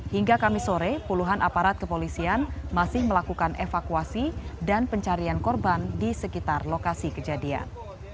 hingga kamis sore puluhan aparat kepolisian masih melakukan evakuasi dan pencarian korban di sekitar lokasi kejadian